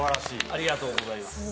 ありがとうございます。